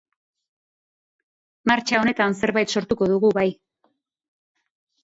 Martxa honetan zerbait sortuko dugu, bai.